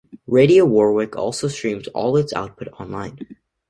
Radio Warwick also streams all its output online.